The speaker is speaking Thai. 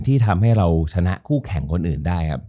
ที่ทำให้เราชนะคู่แข่งคนอื่นได้ครับ